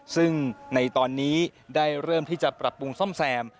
ซึ่งในตอนนี้ได้เริ่มที่จะปรับปรุงซ่อมแซม